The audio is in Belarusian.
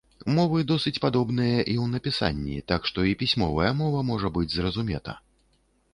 Мовы досыць падобныя і ў напісанні, так што і пісьмовая мова можа быць зразумета.